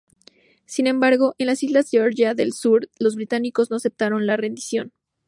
Sin embargo, en las islas Georgia del Sur los británicos no aceptaron la rendición.